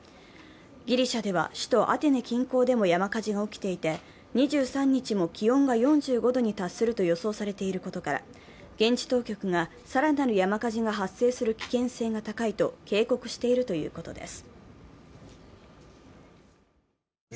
ギリシャでは首都アテネ近郊でも山火事が起きていて、２３日も気温が４５度に達すると予想されていることから現地当局が更なる山火事が発生する危険性が高いと警告しているということです。